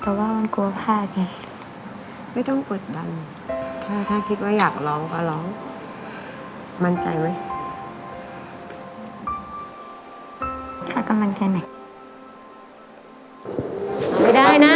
เอาให้ได้นะเอาให้ได้